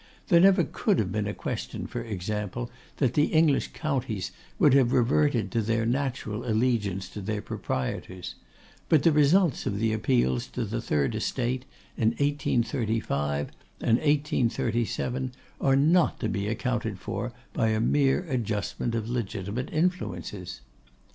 There never could have been a question, for example, that the English counties would have reverted to their natural allegiance to their proprietors; but the results of the appeals to the third Estate in 1835 and 1837 are not to be accounted for by a mere readjustment of legitimate influences.